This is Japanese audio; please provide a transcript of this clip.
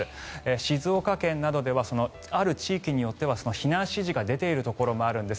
静岡県などではある地域によっては避難指示が出ているところもあるんです。